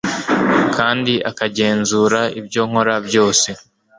kandi akagenzura ibyo nkora byose